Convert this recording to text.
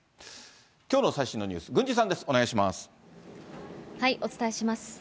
きょうの最新のニュース、郡司さお伝えします。